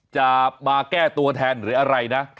จะมาแก้ตัวแทนหรืออะไรนะ